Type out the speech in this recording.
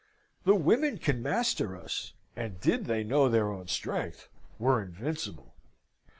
The women can master us, and did they know their own strength, were invincible.